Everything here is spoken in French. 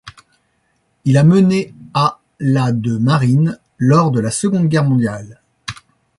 Il a mené à la de Marines lors de la Seconde Guerre mondiale.